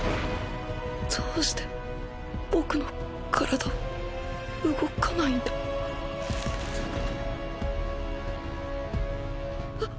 どうして僕の体は動かないんだああっ！